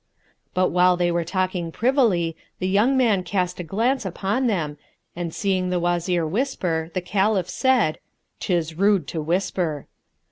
But while they were talking privily the young man cast a glance upon them and seeing the Wazir whisper the Caliph said, "'Tis rude to whisper."